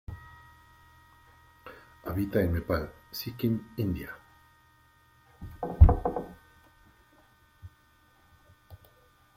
Habita en Nepal, Sikkim, India.